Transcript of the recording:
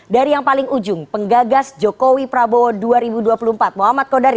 dari yang paling ujung penggagas jokowi prabowo dua ribu dua puluh empat muhammad kodari